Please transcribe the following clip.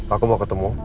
aku mau ketemu